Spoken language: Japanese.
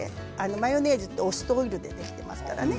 マヨネーズは、お酢とオイルでできていますからね。